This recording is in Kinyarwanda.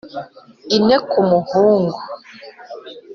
ine ku muhungu,